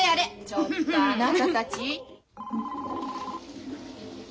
ちょっとあなたたち。